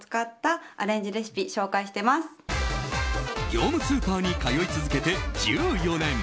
業務スーパーに通い続けて１４年。